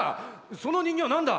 その人形は何だ。